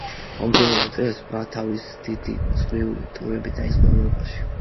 მომდევნო წელს, მა თავის „დიდი წრიული ტურები“ დაიწყო ევროპაში.